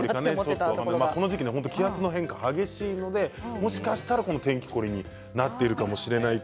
この時期は気圧の変化が激しいのでもしかしたら天気凝りになっているかもしれません。